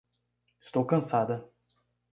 Estou cansada